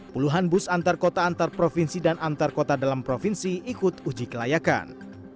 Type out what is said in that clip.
puluhan bus antar kota antar provinsi dan antar kota dalam provinsi ikut uji kelayakan